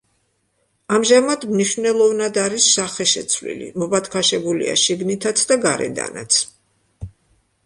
ამჟამად მნიშვნელოვნად არის სახეშეცვლილი, მობათქაშებულია შიგნითაც და გარედანაც.